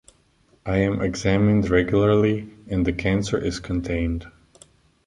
I am examined regularly and the cancer is contained.